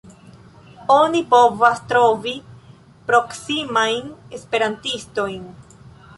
Oni povas trovi proksimajn esperantistojn.